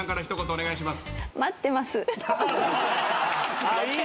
お願いします。